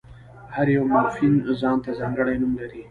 هر یو مورفیم ځان ته ځانګړی نوم لري.